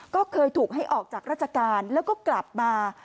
ก็เคยถูกให้ออกจากราชการแล้วก็กลับมา